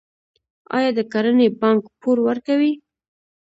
آیا د کرنې بانک پور ورکوي؟